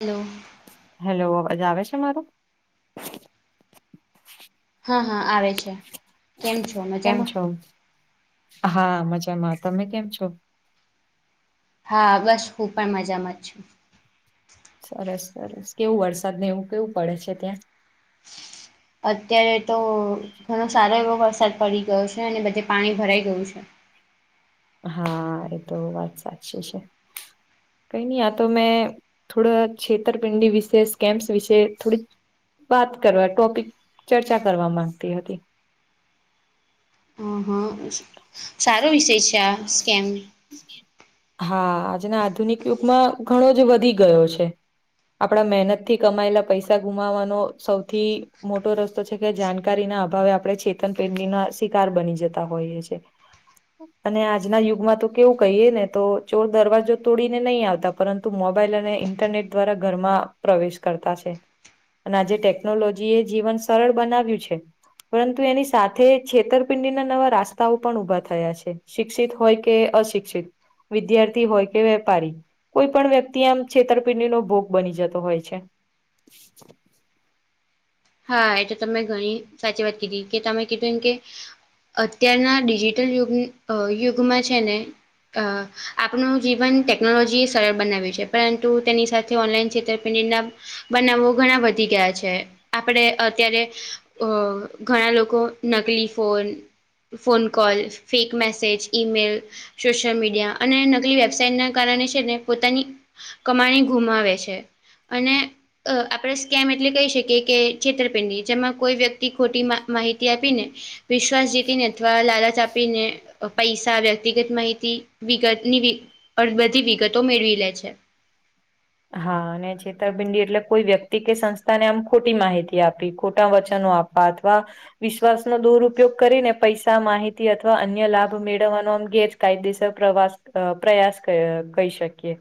Hello. Hello, અવાજ આવે છે મારો? હા હા આવે છે. કેમ છો કેમ મજામાં છો? હા મજામાં, તમે કેમ છો? હા, બસ હું પણ મજામાં જ છું. સરસ સરસ કેવું વરસાદ ને એવું કેવું પડે છે ત્યાં? અત્યારે તો ઘણો સારો એવો વરસાદ પડી ગયો છે અને બધે પાણી ભરાઈ ગયું છે. હા, એ તો વાત સાચી છે. કઈ નહી આ તો મેં થોડે છેતરપિંડી વિશે સ્કેમ્પ્સ વિશે થોડીક બાત કરવા ટોપિક ચર્ચા કરવા માંગતી હતી. હ હ સારો વિષય છે આ સ્કેમ હા, આજના આધુનિક યુગમાં ઘણો જ વધી ગયો છે. આપડા મહેનતથી કમાયેલા પૈસા ગુમાવાનો સૌથી મોટો રસ્તો છે કે, જાણકારી ના અભાવે આપણે છેતનપેંડી ના શિકાર બની જતા હોઈએ છીએ. અને આજના યુગમાં તો કેવું કહીએ ને. તો ચોર દરવાજો તોડીને નહીં આવતા, પરંતુ મોબાઈલ અને ઇન્ટરનેટ દ્વારા ઘરમાં પ્રવેશ કરતા છે, અને આજે ટેકનોલોજી એ જીવન સરળ બનાવ્યું છે. પરંતુ એની સાથે છેતરપિંડીના નવા રસ્તાઓ પણ ઊભા થયા છે. શિક્ષિત હોય કે, અશિક્ષિત. વિદ્યાર્થી હોય કે, વેપારી. કોઈ પણ વ્યક્તિ આમ છેતરપિંડીનો ભોગ બની જતો હોય છે. હા, એ તો તમે ઘણી સાચી વાત કીધી કે, તમે કીધું એમ કે અત્યારના ડિજિટલ યુગ યુગમાં છે ને. આપણ જીવન ટેકનોલોજીએ સરળ બનાવ્યું છે, પરંતુ તેની સાથે ઓનલાઈન ક્ષેત્ર [unintelligible] બનાવો ઘણા વધી ગયા છે. આપણે અત્યારે અ ઘણાં લોકો નકલી phone. Phone call, fake message, email. Social media અને નકલી વેબસાાઈટ ના કારણે છે, ને પોતાની કમાણી ગુમાવે છે, અને આપણેે સ્કેમ એટલે કહીં શકીએ. કે છેતરપિંડી જેમાં કોઈ વ્યક્તિ ખોટી માહિતી આપી ને. વિશ્વાસ જીતીને અથવા લાલચ આપીને. પૈસા, વ્યક્તિગત માહિતી, વિગતની બધી વિગતો મેળવી લે છે. હા, અને છેતરપિંડી એટલે કોઈ વ્યક્તિ કે સંસ્થાને આમ ખોટી માહિતી આપી, ખોટા વચનો આપી. અથવા. વિશ્વાસનો દુરપયોગ કરીને, પૈસા માહિતી અથવા અન્ય લાભ મેળવવાનો, આમ કાયદેસર પ્રવાસ પ્રયાસ કહી શકીએ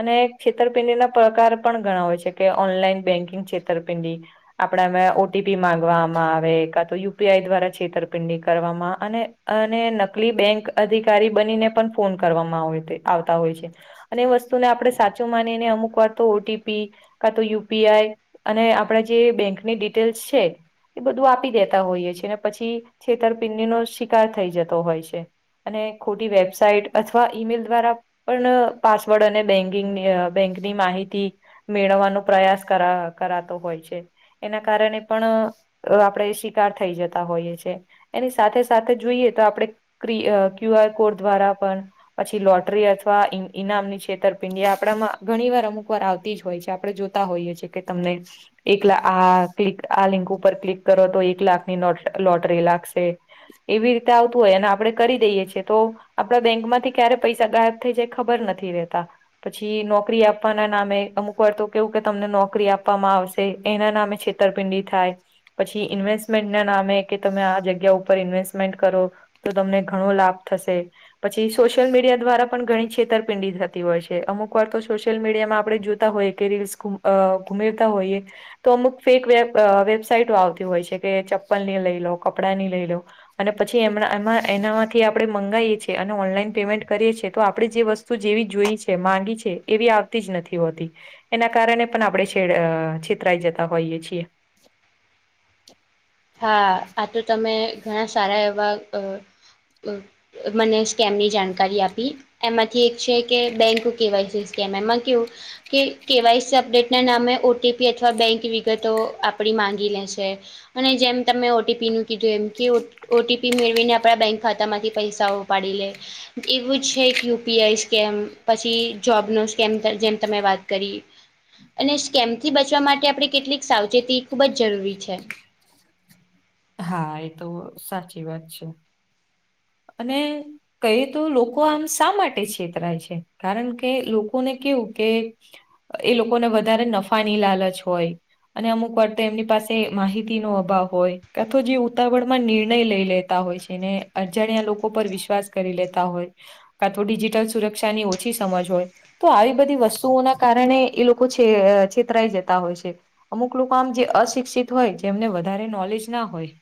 અને છેતરપિંડી ના પ્રકાર પણ ઘણા હોય છે, કે ઓનલાઈન બેન્કિંગ છેતરપિંડી. આપણા પર ઓટીપી માંગવામાં આવે, કા તો યુપીઆઈ દ્વારા છેતરપિંડી કરવામાં અને અને નકલી બેંક અધિકારી બનીને પણ ફોન કરવામાં આવતા હોય છે. અને એ વસ્તુને આપણે સાચું માનીને અમુક વાર તો ઓટીપી. કા, તો યુપીઆઈ અને આપણા જે બેંકની ડિટેલ્સ છે. એ બધું આપી દેતા હોઈએ છે, ને પછી છેતરપિંડી નો શિકાર થઈ જતો હોય છે. અને ખોટી વેબસાઇટ અથવા ઈમેલ દ્વારા પણ પાસવર્ડ અને બેન્કિંગની. બેંક ની માહિતી મેળવવાનો પ્રયાસ કર કરતો હોય છે. એના કારણે પણ આપણેે શિકાર થઈ જતા હોઈએ છે. એની સાથે-સાથે જોઈએ તો, આપણે ક્યુઆર કોડ દ્વારા પણ પછી લોટરી અથવા ઈનામની છેતરપિંડિયા. આપમાં ઘણી વાર અમુક વાર આવતી જ હોય છે, આપણે જોતા હોઈએ છીએ કે તમને એકલા આ ક્લિક, આ લિંક ઉપર ક્લિક કરો તો એક લાખની લોટરી લાગશે. એવી રીતે આવતું હોય અને આપડણે કરી દઈએ છીએ, તો આપડા બેંકમાંથી ક્યારે પૈસા ગાયબ થઈ જાય ખબર નથી રહેતા. પછી નોકરી આપવાના નામે અમુક વાર તો કેવું કે તમને નોકરી આપવામાં આવશે, એના નામે છે. ઉત્તરપિંડી થાય, પછી ઇન્વેસ્ટમેન્ટના નામે કે, તમે આ જગ્યા ઉપર ઇન્વેસ્ટમેન્ટ કરો. તો તમને ઘણો લાભ થશે, પછી સોશિયલ મીડિયા દ્વારા પણ ઘણી છેતરપિંડી થતી હોય છે. અમુક વાર તો સોશિયલ મીડિયામાં આપણે જોતા હોઈએ કે, રીલ્સ ગુમેવતા હોઈએ. તો અમુક ફેક વેબસાઈટો આવતી હોય છે, કે ચપ્પલની લઈ લો, કપડાં ની લઈ લો. અને પછી, એમ એમાં એનામાંથી આપણેે મંગાવીએ છીએ અને ઓનલાઈન પેમેન્ટ કરીએ છીએ, તો આપણે જે વસ્તુ શું જેવી જોઈ છે, માંગી છે, એવી આવતી જ નથી હોતી. એના કારણે પણ આપણે છેડ છેતરાઈ જતા હોઈએ છીએ. હા, આ તો તમે ઘણા સારા એવા. મને સ્કેમની જાણકારી આપી. એમાંથી એક છે કે, બેંક કેવાયસી સ્કેમ, એમાં કેવું કે, કેવાયસી અપડેટના નામે ઓટીપી અથવા બેંક વિગતો આપડી માંગી લે છે. અને જેમ તમે ઓ ટી પી નું કીધું એમ કે ઓ ટી પી મેળવીને આપણા બેંક ખાતા માંથી પૈસાઓ ઉપાડી લે એવું જ છે યુ પી આઈ સ્કેમ પછી જોબનો સ્કેમ જેમ તમે વાત કરી અને સ્કેમ થી બચવા માટે આપણે કેટલીક સાવચેતી ખૂબ જ જરૂરી છે. હા એ તો સાચી વાત છે. અને કહી તો લોકો આમ શા માટે છેતરાય છે, કારણ કે લોકોને કેવું કે એ લોકોને વધારે નફાની લાલચ હોય અને અમુક વાર તો એમની પાસે માહિતી નો અભાવ હોય કા તો જે ઉતાવળ માં નિર્ણય લઈ લે તા હોય છેને અજાણ્યા લોકો પર વિશ્વાસ કરી લેતા હોય. કા તો ડિજિટલ સુરક્ષા ની ઓછી સમજ હોય. તો આવી બધી વસ્તુઓના કારણે એ લોકો છે છેતરાઈ જતા હોય છે. અમુક લોકો આમ જે અશિક્ષિત હોય જેમને વધારે નોલેજ ના હોય.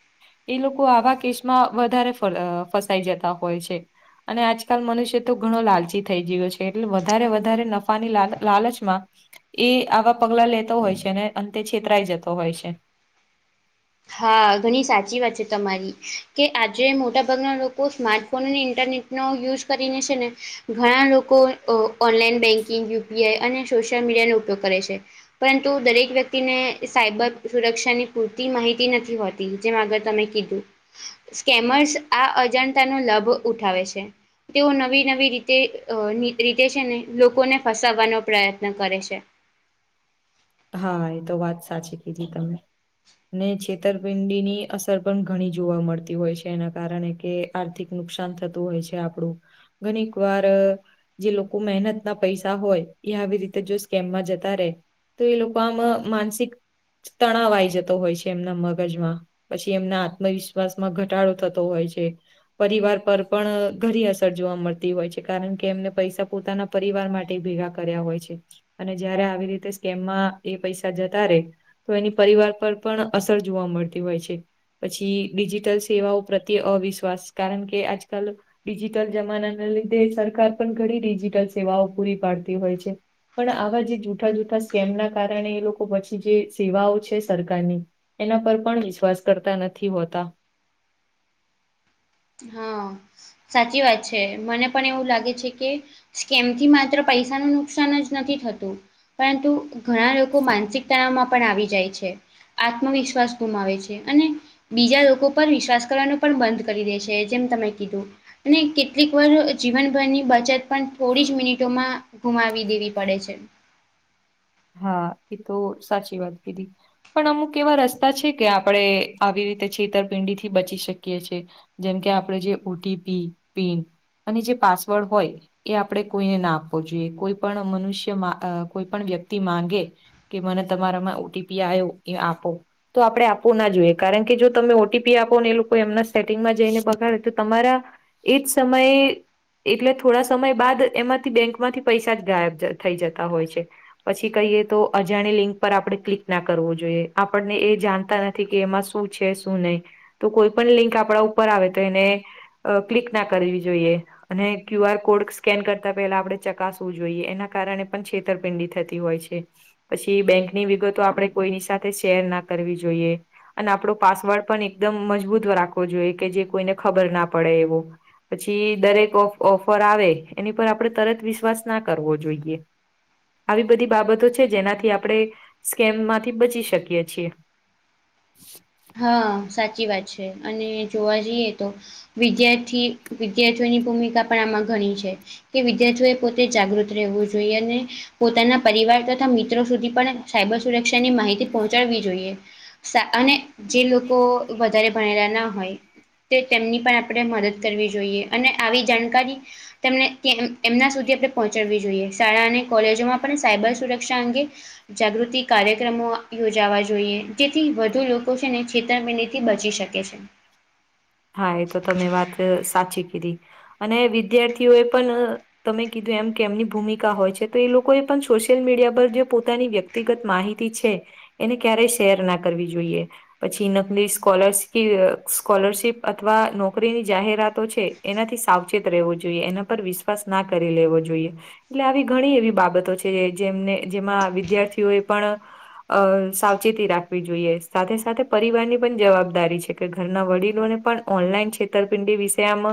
એ લોકો આવા કેસમાં વધારે ફસાઈ જતા હોય છે. અને આજકાલ મનુષ્ય તો ઘણો લાલચી થઈ ગયો છે એટલે વધારે વધારે નફાની લાલ લાલચમાં એ આવા પગલા લેતો હોય છે ને અંતે છેતરાઈ જતો હોય છે. હા ઘણી સાચી વાત છે તમારી કે આજે મોટાભાગના લોકો સ્માર્ટફોન અને ઇન્ટરનેટ નો યુઝ કરીને છે ને ઘણા લોકો online banking U P I અને સોશિયલ મીડિયાનો ઉપયોગ કરે છે. પરંતુ દરેક વ્યક્તિને સાયબર સુરક્ષાની પૂરતી માહિ તી નથી હોતી જેમ આગળ તમે કીધું. સ્કેમર્સ આ અજાણતા ના લાભો ઉઠાવે છે. તેઓ નવી નવી રીતે રીતે છે ને લોકોને ફસાવવાનો પ્રયત્ન કરે છે. હા એ તો વાત સાચી કીધી તમે. ને છેતરપિંડી ની અસર પણ ઘણી જોવા મળતી હોય છે એના કારણે કે આર્થિક નુકસાન થતું હોય છે આપડું. ઘણીક વાર જે લોકો મહેનત ના પૈસા હોય એ આવી રીતે જો સ્કેમમાં જતા રહેે તો એ લોકો આમાં માનસિક તણાવ આઈ જતો હોય છે એમના મગજમાં પછી એમના આત્મવિશ્વાસ માં ઘટાડો થતો હોય છે. પરિવાર પર પણ ઘરી અસર જોવા મળતી હોય છે કારણ કે એમને પૈસા પોતાના પરિવાર માટે ભેગા કર્યા હોય છે અને જયારે આવી રીતે સ્કેમમાં એ પૈસા જતા રે તો એની પરિવાર પર પણ અસર જોવા મળતી હોય છે. પછી ડિજિટલ સેવાઓ પ્રત્યે અવિશ્વાસ કારણ કે આજકાલ ડિજિટલ જમાનાને લીધે સરકાર પણ ઘણી ડિજિટલ સેવાઓ પૂરી પાડતી હોય છે. પણ આવા જે જૂઠા જૂઠા સ્કેમ ના કારણે એ લોકો પછી જે સેવાઓ છે સરકારની એના પર પણ વિશ્વાસ કરતા નથી હોતા. હા સાચી વાત છે મને પણ એવું લાગે છે કે કેમથી માત્ર પૈસા નુ નુકસાન જ નથી થતું પરંતુ ઘણા લોકો માનસિક તણાવમાં પણ આવી જાય છે, આત્મવિશ્વાસ ગુમાવે છે અને બીજા લોકો ઉપર વિશ્વાસ કરવાનું પણ બંધ કરી દે છે જેમ તમે કીધું. અને કેટલીક વાર જીવનભરની બાચત પણ થોડી જ મિનિટોમાં ગુમાવી દેવી પડે છે. હા એ તો સાચી વાત કીધી. પણ અમુક એવા રસ્તા છે કે આપડે આવી રીતે છેતરપિંડી થી બચી શકીએ છીએ. જેમકે આપડે જે ઓ ટી પી, પિન અને જે પાસવર્ડ હોય એ આપણે કોઈને ના આપવો જોઈએ કોઈ પણ મનુષ્ય કોઈ પણ વ્યક્તિ માંગે કે મને તમારામાં ઓ ટી પી આવ્યો એ આપો તો આપડે આપવું ના જોઈએ કારણ કે જો તમે ઓ ટી પી આપો ને એ લોકો એમના સેટિંગમાં જઈને પગાડે તો તમારા એ જ સમયે એટલે થોડા સમય બાદ એમાંથી બેંક માંથી પૈસા જ ગાયબ થઈ જતા હોય છે. પછી કહીએ તો અજાણી લિંક પર આપણે ક્લિક ના કરવું જોઈએ આપણને એ જાણતા નથી કે એમાં શું છે શું નહીં તો કોઈ પણ લિંક આપણા ઉપર આવે તો એને અ ક્લિક ના કરવી જોઈએ અને ક્યુ આર કોડ સ્કેન કરતા પહેલા આપણે ચકાસવું જોઈએ એના કારણે પણ છેતરપિંડી થતી હોય છે પછી બેંકની વિગતો આપડે કોઈની સાથે શેર ના કરવી જોઈએ. અને આપણો પાસવર્ડ પણ એકદમ મજબૂત રાખવો જોઈએ કે જે કોઈને ખબર ના પડે એવો. પછી દરેક ઓફ ઓફર આવે એની પર આપણે તરત વિશ્વાસ ના કરવો જોઈએ. આવી બધી બાબતો છે જેનાથી આપણે સ્કેમમાંથી બચી શકીએ છીએ. હા સાચી વાત છે અને જોવા જઈએ તો વિદ્યાર્થી વિદ્યાર્થીઓની ભૂમિકા પણ આમાં ઘણી છે. કે વિદ્યાર્થીઓ એ પોતે જાગૃત રહેવું જોઈએ અને પોતાના પરિવાર તથા મિત્રો સુધી પણ સાયબર સુરક્ષા ની માહિતી પહોંચાડવી જોઈએ. અને જે લોકો વધારે ભણેલા ના હોય, તે તેમની પણ આપણે મદદ કરવી જોઈએ અને આવી જાણકારી તેમને એમના સુધી આપણે પહોંચાડવી જોઈએ શાળા અને કોલેજોમાં પણ સાયબર સુરક્ષા અંગે જાગૃતિ કાર્યક્રમો યોજાવા જોઈએ જેથી વધુ લોકો લોકો છે ને છેતરમેડી થી બચી શકે છે. હા એ તો તમે વાત સાચી કીધી અને વિદ્યાર્થીઓ એ પણ તમે કીધું એમ કેમની ભૂમિકા હોય છે તો એ લોકો એ પણ સોશિયલ મીડિયા પર જે પોતાની વ્યક્તિ વ્યક્તિગત માહિતી છે. એને ક્યારેય શેર ના કરવી જોઈએ પછી નકની સ્કોલ સ્કોલરશીપ અથવા નોકરીની જાહેરાતો છે એનાથી સાવચેત રહેવો જોઈએ એના પર વિશ્વાસ ના કરી લેવો જોઈએ. એટલે આવી ઘણી એવી બાબતો છે જેમને જેમાં વિદ્યાર્થીઓ એ પણ અ સાવચેતી રાખવી જોઈએ સાથે સાથે પરિવારની પણ જવાબદારી છે કે ઘરના વડીલોને પણ ઓનલાઈન છેતરપિંડી વિષય આમ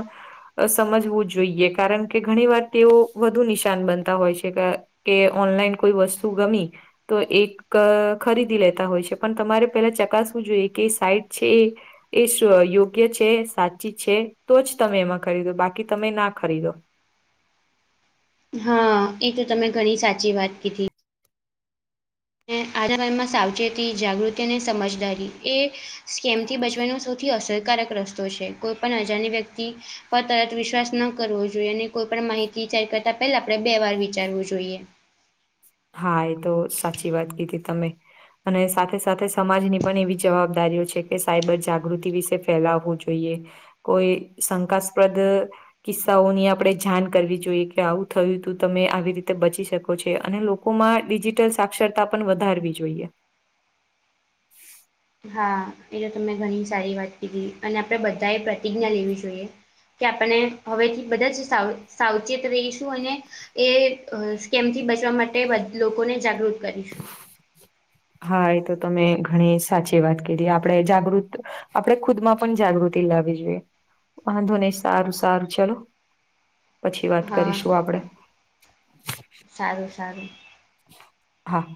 અ સમજવું જોઈએ કારણ કે ઘણી વાર તેઓ વધુ નિશાન બનતા હોય છે કે કે ઓનલાઈન કોઈ વસ્તુ ગમી તો એક અ ખરીદી લેતા હોય છે પણ તમારે પેલા ચકાસવું જોઈએ કે સાઈટ છે એ એ યોગ્ય છે સાચી છે તો જ તમે એમાં ખરીદો બાકી તમે ના ખરીદો. હા એ તો તમે ઘણી સાચી વાત કીધી. ને આજ સમયમાં સાવચેતી જાગૃતિ અને સમજદારી એ સ્કેમથી બચવાનો સૌથી અસરકારક રસ્તો છે કોઈ પણ અજાણી વ્યક્તિ પણ તરત વિશ્વાસ ન કરવો જોઈએ અને કોઈ પણ માહિતી શેર કરતા પહેલા આપણે બે વાર વિચારવું જોઈએ. હા એ તો સાચી વાત કીધી તમે. અને સાથે સાથે સમાજની પણ એવી જવાબદારીઓ છે કે સાયબર જાગૃતિ વિશે ફેલાવવું જોઈએ. કોઈ શંકાસ્પદ કિસ્સાઓની આપણે જાણ કરવી જોઈએ કે આવું થયું તું તમે આવી રીતે બચી શકો છો અને લોકો લોકોમાં ડિજિટલ સાક્ષરતા પણ વધારવી જોઈએ. હા એ તો તમે ઘણી સારી વાત કીધી અને આપણે બધાએ પ્રતિજ્ઞા લેવી જોઈએ. કે આપને હવેથી બધા જ સાવ સાવચેત રહીશું અને એ ક સ્કેમથી બચવા માટે બધ લોકોને જાગૃત કરીશું. હા એ તો તમે ઘણી સાચી વાત કધી આપણે જાગૃત આપણે ખુદ માં પણ જાગૃતિ લાવવી જોઈએ. વાંધો નહી સારું સારું ચલો પછી વાત હા કરીશું આપડે. સારું સારું. હા.